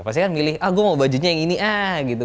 pasti kan milih ah gue mau bajunya yang ini ah gitu